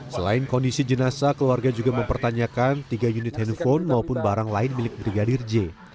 selain kondisi jenasa keluarga juga mempertanyakan tiga unit handphone maupun barang lain milik brigadir j